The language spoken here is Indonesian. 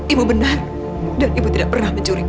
ibu benar dan ibu tidak pernah mencuri